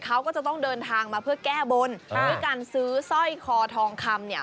เขาก็จะต้องเดินทางมาเพื่อแก้บนด้วยการซื้อสร้อยคอทองคำเนี่ย